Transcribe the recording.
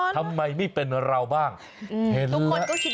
ทำไมไม่เป็นเราบ้างทุกคนก็คิดแบบนั้น